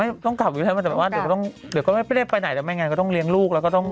มันต้องกลับอยู่แล้วแต่ว่าเดี๋ยวก็ไม่ได้ไปไหนแต่ไม่อย่างไรก็ต้องเลี้ยงลูกแล้วก็ต้อง